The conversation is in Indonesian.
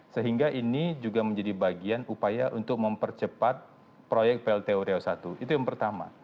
sehingga ini juga menjadi bagian upaya untuk mempercepat proyek plt uriau i itu yang pertama